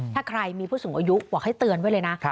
ถ้าใครมีผู้สูงอายุบอกให้เตือนไว้เลยนะ